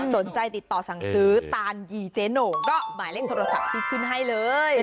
สนใจติดต่อสั่งซื้อตานยีเจ๊โหน่งก็หมายเลขโทรศัพท์ที่ขึ้นให้เลย